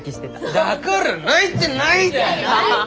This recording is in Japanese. だから泣いてないって！